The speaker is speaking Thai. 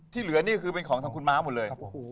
เหลือนี่คือเป็นของทางคุณม้าหมดเลย